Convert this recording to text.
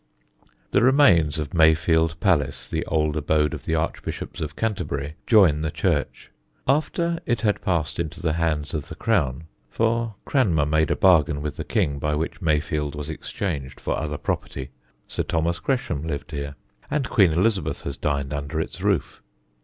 The remains of Mayfield Palace, the old abode of the Archbishops of Canterbury, join the church. After it had passed into the hands of the crown for Cranmer made a bargain with the King by which Mayfield was exchanged for other property Sir Thomas Gresham lived here, and Queen Elizabeth has dined under its roof.